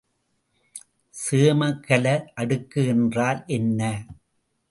சேமக்கல அடுக்கு என்றால் என்ன?